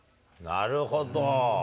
なるほど。